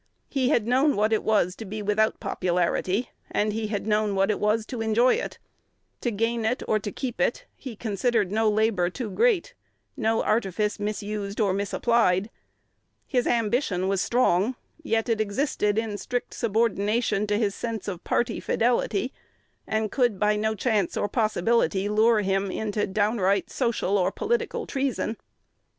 He had known what it was to be without popularity, and he had known what it was to enjoy it. To gain it or to keep it, he considered no labor too great, no artifice misused or misapplied. His ambition was strong; yet it existed in strict subordination to his sense of party fidelity, and could by no chance or possibility lure him into downright social or political treasons.